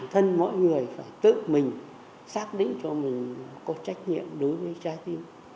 thân mỗi người phải tự mình xác định cho mình có trách nhiệm đối với trái tim